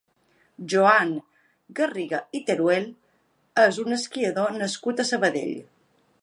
Joan Garriga i Teruel és un esquiador nascut a Sabadell.